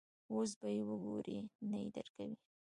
اوس به یې وګورې، نه یې درکوي.